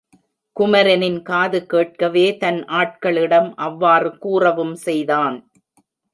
குமரனின் காது கேட்கவே தன் ஆட்களிடம் அவ்வாறு கூறவும் செய்தான்.